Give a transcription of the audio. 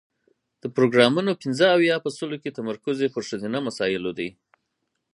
د پروګرامونو پنځه اویا په سلو کې تمرکز یې پر ښځینه مسایلو دی.